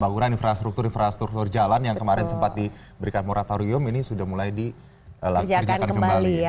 pembangunan infrastruktur infrastruktur jalan yang kemarin sempat diberikan moratorium ini sudah mulai dikerjakan kembali